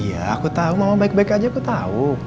iya aku tau mama baik baik aja aku tau